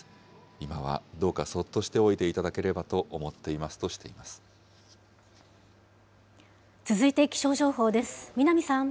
今はどうかそっとしておいていただければと思っていますとしてい続いて気象情報です。